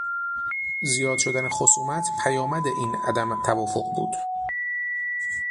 زیاد شدن خصومت پیامد این عدم توافق بود.